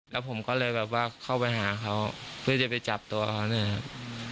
แล้วผมก็เลยเข้าไปหาเขาเพื่อจะไปจับตัวเขานะครับ